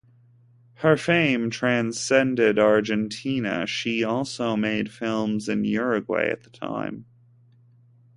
Her fame transcended Argentina; she also made films in Uruguay at the time.